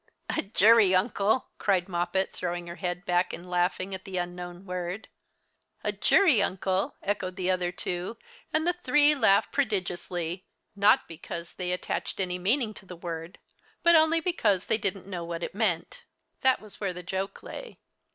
"A jury uncle!" cried Moppet, throwing her head back and laughing at the unknown word. "A jury uncle!" echoed the other two, and the three laughed prodigiously; not because they attached any meaning to the word, but only because they didn't know what it meant. That was where the joke lay.